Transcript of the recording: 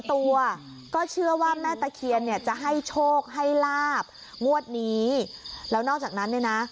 ตัวก็เชื่อว่าแม่ตะเคียนเนี่ยจะให้โชคให้ลาบงวดนี้แล้วนอกจากนั้นเนี่ยนะ